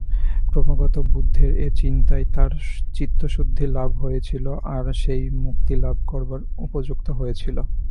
ক্রমাগত বুদ্ধের এত চিন্তায় তার চিত্তশুদ্ধি-লাভ হয়েছিল, আর সে মুক্তিলাভ করবার উপযুক্ত হয়েছিল।